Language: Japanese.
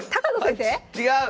違う！